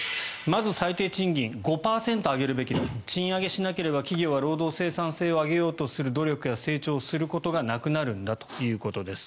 まず最低賃金５％上げるべき賃上げしなければ企業は労働生産性を上げようとする努力や成長をすることがなくなるんだということです。